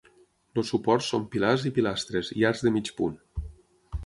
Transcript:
Els suports són pilars i pilastres, i arcs de mig punt.